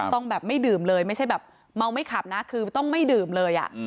ต้องแบบไม่ดื่มเลยไม่ใช่แบบเมาไม่ขับนะคือต้องไม่ดื่มเลย